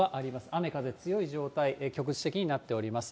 雨風強い状態、局地的になっております。